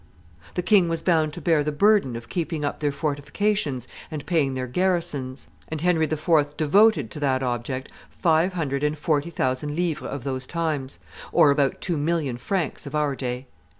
The king was bound to bear the burden of keeping up their fortifications and paying their garrisons; and Henry IV. devoted to that object five hundred and forty thousand livres of those times, or about two million francs of our day.